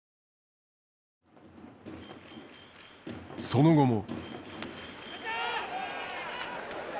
その後も。